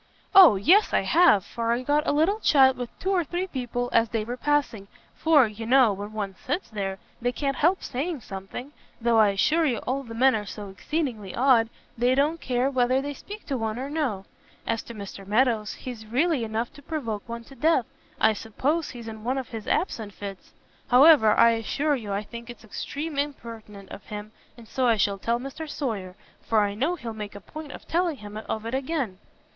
"O yes I have, for I got a little chat with two or three people as they were passing, for, you know, when one sits there, they can't help saying something; though I assure you all the men are so exceedingly odd they don't care whether they speak to one or no. As to Mr Meadows, he's really enough to provoke one to death. I suppose he's in one of his absent fits. However, I assure you I think it's extreme impertinent of him, and so I shall tell Mr Sawyer, for I know he'll make a point of telling him of it again."